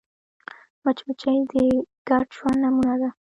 مچمچۍ د ګډ ژوند نمونه ده